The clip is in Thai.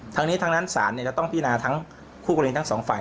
ทั้งนี้ทั้งนั้นศาลจะต้องพินาทั้งคู่กรณีทั้งสองฝ่าย